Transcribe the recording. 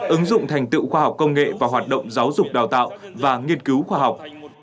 ứng dụng thành tựu khoa học công nghệ và hoạt động giáo dục đào tạo và nghiên cứu khoa học